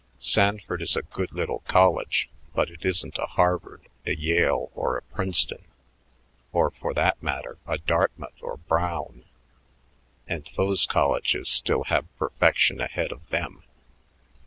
Sanford is a good little college, but it isn't a Harvard, a Yale, or a Princeton, or, for that matter, a Dartmouth or Brown; and those colleges still have perfection ahead of them.